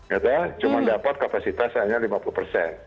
gak ada cuma dapat kapasitas hanya lima puluh persen